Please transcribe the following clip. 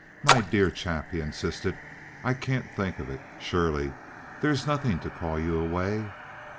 "My dear chap!" he insisted, "I can't think of it. Surely—there's nothing to call you away."